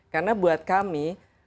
karena buat kami